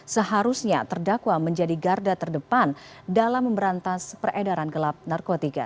seharusnya terdakwa menjadi garda terdepan dalam memberantas peredaran gelap narkotika